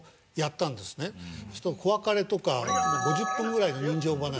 そうすると『子別れ』とか５０分ぐらいの人情話。